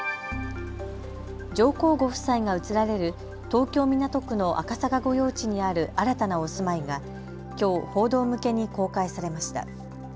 上皇ご夫妻が移られる東京港区の赤坂御用地にある新たなお住まいがきょう、報道向けに公開されました。